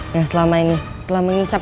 yang selama ini telah menghisap